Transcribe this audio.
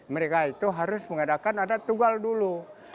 mereka itu harus mengadakan adat tunggal dulu